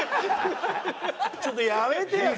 ちょっとやめてよ。